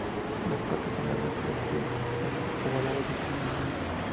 Las patas son largas y los pies ovalados y de tamaño medio.